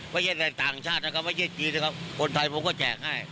ประเทศอะไรต่างชาตินะครับไม่ใช่จีนนะครับคนไทยผมก็แจกให้